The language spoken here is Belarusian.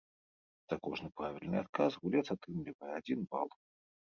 За кожны правільны адказ гулец атрымлівае адзін бал.